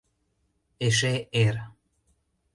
Эше эр.